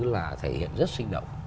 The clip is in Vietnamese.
là thể hiện rất sinh động